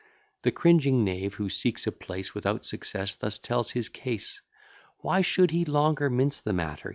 The cringing knave, who seeks a place Without success, thus tells his case: Why should he longer mince the matter?